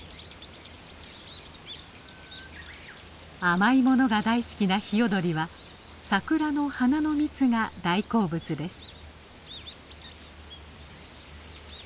甘い物が大好きなヒヨドリはサクラの花の蜜が大好物です。